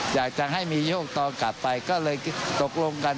อยากจะให้มีโยกต่อกลับไปก็เลยตกลงกัน